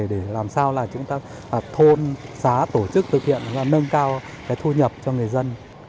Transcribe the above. để làm sao là chúng ta thôn xá tổ chức thực hiện và nâng cao cái thu nhập cho người dân